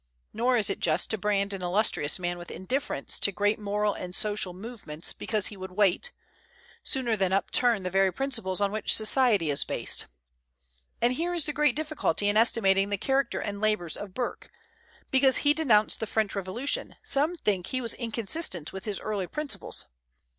Nor is it just to brand an illustrious man with indifference to great moral and social movements because he would wait, sooner than upturn the very principles on which society is based. And here is the great difficulty in estimating the character and labors of Burke. Because he denounced the French Revolution, some think he was inconsistent with his early principles.